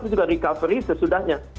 itu juga recovery sesudahnya